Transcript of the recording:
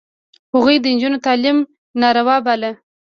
هغوی د نجونو تعلیم ناروا باله.